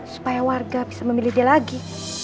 supaya warga bisa memilih dia lagi